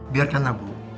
biarkan lah bu